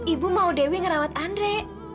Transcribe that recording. ibu mau dewi ngerawat andre